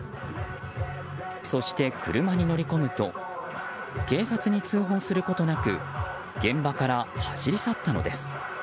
そして車に乗り込むと警察に通報することなく現場から走り去ったのです。